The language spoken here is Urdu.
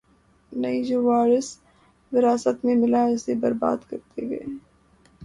نہیں‘ جو وراثت میں ملا اسے بربادکرتے گئے۔